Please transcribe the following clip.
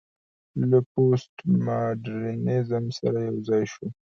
له پوسټ ماډرنيزم سره يوځاى شو